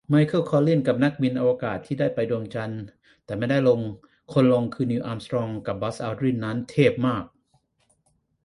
ไมเคิล คอลลินส์ นักบินอวกาศที่ได้ไปดวงจันทร์แต่ไม่ได้ลงคนลงคือนีล อาร์มสตรองกับบัซ อัลดรินนั้นเมพมาก